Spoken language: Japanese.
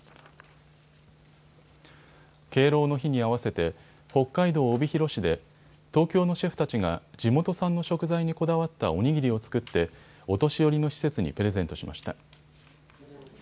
敬老の日に合わせて北海道帯広市で東京のシェフたちが地元産の食材にこだわったお握りを作ってお年寄りの施設にプレゼントしました。